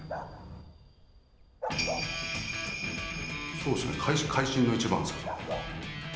そうですね会心の一番ですか。